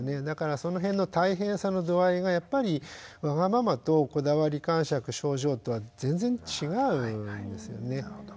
だからその辺の大変さの度合いがやっぱりわがままとこだわりかんしゃく症状とは全然違うんですね。